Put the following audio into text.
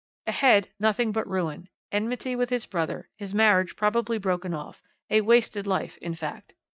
Ahead nothing but ruin, enmity with his brother, his marriage probably broken off, a wasted life, in fact.